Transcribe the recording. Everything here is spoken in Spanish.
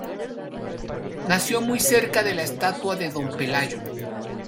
Nació muy cerca de la estatua de Don Pelayo.